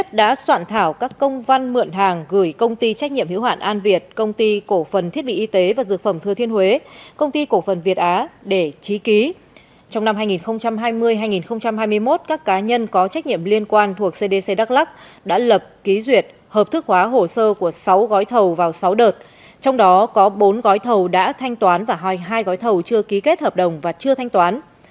trong năm hai nghìn hai mươi hai nghìn hai mươi một các cá nhân có trách nhiệm liên quan thuộc cdc đắk lắc đã lập ký duyệt hợp thức hóa hồ sơ của sáu gói thầu vào sáu đợt trong đó có bốn gói thầu đã thanh toán và hai gói thầu chưa ký kết hợp đồng và chưa thanh toán